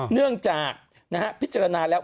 เนื่องจากพิจารณาแล้ว